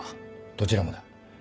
どちらもだ。